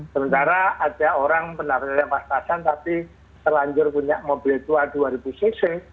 sementara ada orang penaruhi pemasaran tapi selanjutnya punya mobil tua dua ribu cc